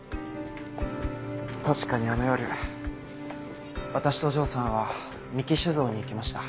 確かにあの夜私とお嬢さんは三木酒造に行きました。